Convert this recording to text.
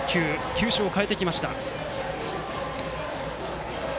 球種を変えてきました。